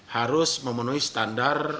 harus memenuhi standar